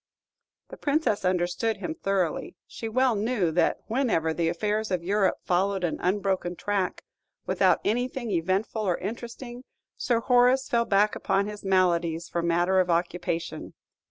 The Princess understood him thoroughly. She well knew that whenever the affairs of Europe followed an unbroken track, without anything eventful or interesting, Sir Horace fell back upon his maladies for matter of occupation.